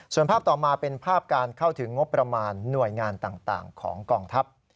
ส่วนภาพต่อมาเป็นภาพการเข้าถึงงบประมาณหน่วยงานต่างของกองทัพ